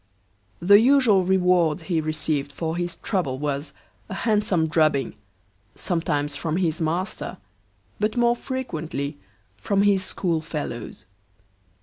The usual reward he received for his trouble was, a handsome drubbing, sometimes from his master, but more frequently from his school fellows.